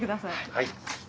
はい。